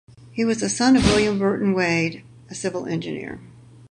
He was the son of William Burton Wade, a civil engineer.